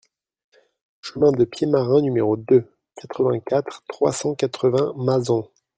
Chemin de Pied Marin n°deux, quatre-vingt-quatre, trois cent quatre-vingts Mazan